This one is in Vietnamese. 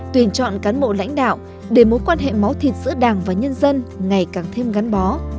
tuyển chọn cán bộ lãnh đạo để mối quan hệ máu thịt giữa đảng và nhân dân ngày càng thêm gắn bó